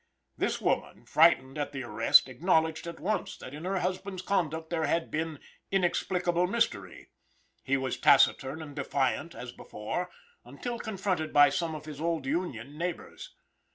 This woman, frightened at the arrest, acknowledged at once that in her husband's conduct there was some inexplicable mystery. He was taciturn and defiant as before, until confronted by some of his old Union neighbors.